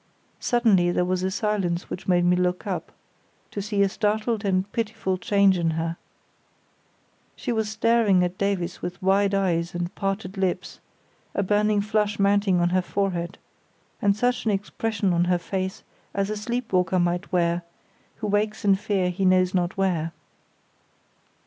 Suddenly there was a silence which made me look up, to see a startled and pitiful change in her. She was staring at Davies with wide eyes and parted lips, a burning flush mounting on her forehead, and such an expression on her face as a sleep walker might wear, who wakes in fear he knows not where.